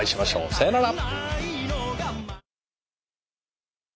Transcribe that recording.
さよなら！